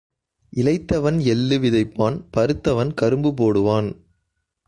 இளைத்தவன் எள்ளு விதைப்பான் பருத்தவன் கரும்பு போடுவான்.